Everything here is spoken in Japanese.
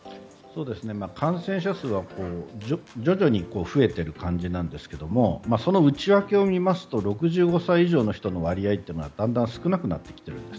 感染者数は徐々に増えている感じなんですがその内訳を見ますと６５歳以上の割合がだんだん少なくなってきているんです。